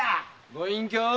ご隠居！